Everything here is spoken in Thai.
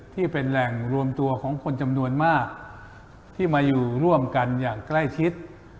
ที่เป็นแหล่งรวมตัวของคนจำนวนมากที่มาอยู่ร่วมกันอย่างใกล้ชิด